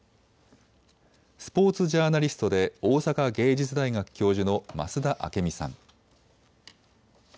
スポーツジャーナリストで大阪芸術大学教授の増田明美さん。